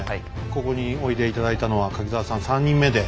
ここにおいで頂いたのは柿澤さん３人目で。